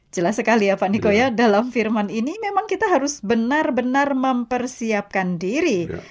jelas sekali ya pak nikoya dalam firman ini memang kita harus benar benar mempersiapkan diri